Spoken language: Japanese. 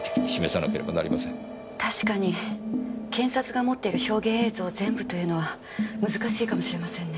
確かに検察が持っている証言映像を全部というのは難しいかもしれませんね。